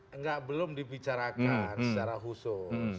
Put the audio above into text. tidak belum lagi dipicarakaan secara khusus